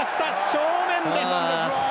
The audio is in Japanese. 正面です。